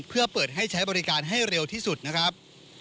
เพื่อเปิดให้ใช้บริการให้เร็วที่สุดนะครับ